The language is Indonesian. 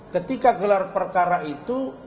ketika gelar perkara itu